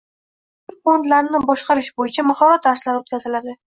Venchur fondlarini boshqarish bo‘yicha mahorat darslari o‘tkazilading